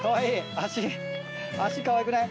脚かわいくない？